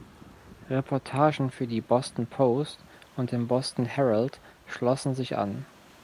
Reportagen für die "Boston Post" und den "Boston Herald" schlossen sich an.